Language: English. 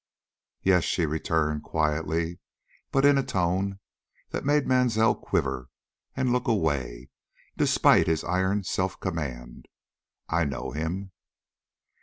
"Yes," she returned, quietly, but in a tone that made Mansell quiver and look away, despite his iron self command; "I know him."